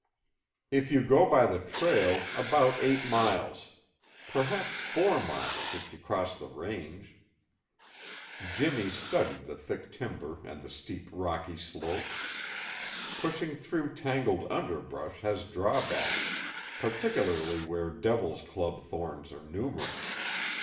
"If you go by the trail, about eight miles. Perhaps four miles, if you cross the range." Jimmy studied the thick timber and the steep rocky slopes. Pushing through tangled underbrush has drawbacks, particularly where devil's club thorns are numerous.